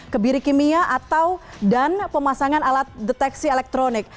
kebiri kimia atau dan pemasangan alat deteksi elektronik